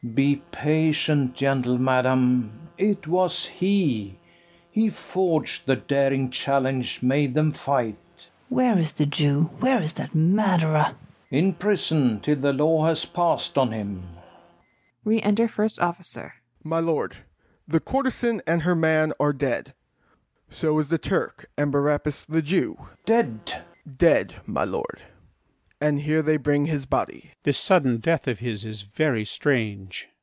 FERNEZE. Be patient, gentle madam: it was he; He forg'd the daring challenge made them fight. KATHARINE. Where is the Jew? where is that murderer? FERNEZE. In prison, till the law has pass'd on him. Re enter FIRST OFFICER. FIRST OFFICER. My lord, the courtezan and her man are dead; So is the Turk and Barabas the Jew. FERNEZE. Dead! FIRST OFFICER. Dead, my lord, and here they bring his body. MARTIN DEL BOSCO. This sudden death of his is very strange.